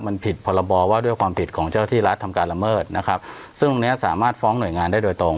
มันผิดพรบว่าด้วยความผิดของเจ้าที่รัฐทำการละเมิดนะครับซึ่งตรงเนี้ยสามารถฟ้องหน่วยงานได้โดยตรง